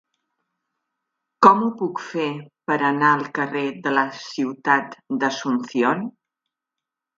Com ho puc fer per anar al carrer de la Ciutat d'Asunción?